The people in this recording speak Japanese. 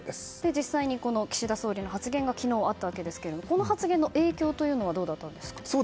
実際に、この岸田総理の発言が昨日、あったわけですがこの発言の影響というのはどうだったんですか？